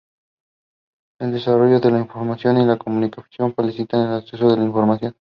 El desarrollo de la información y la comunicación facilita el acceso a la información.